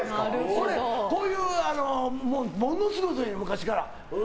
こういうのものすごい得意、昔から。